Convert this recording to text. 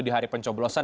di hari pencoblosan